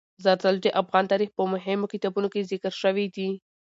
زردالو د افغان تاریخ په مهمو کتابونو کې ذکر شوي دي.